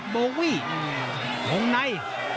โบวี่